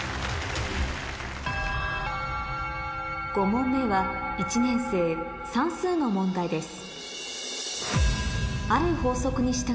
５問目は１年生算数の問題です